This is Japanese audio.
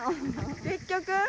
結局。